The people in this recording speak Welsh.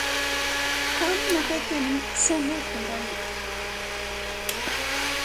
Pam nad oedd gennym senedd Gymreig?